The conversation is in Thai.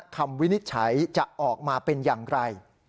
วินิจฉัยจะออกมาเป็นอย่างไร